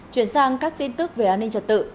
chuyển sang các tin tức về an ninh trật tự